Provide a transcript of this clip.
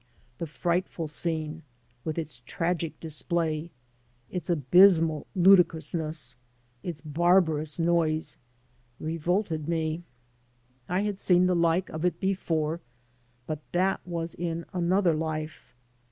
The frightfid scene, with its tragic display, its abysmal ludicrousness, its barbarous noise, revolted me. I had seen the like of it before, but that was in another life.